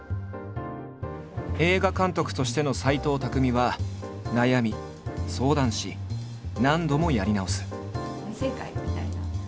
映画監督としての斎藤工は悩み相談し何度もやり直す。